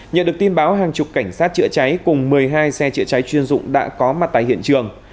nhận được tin báo hàng chục cảnh sát chữa cháy cùng một mươi hai xe chữa cháy chuyên dụng đã có mặt tại hiện trường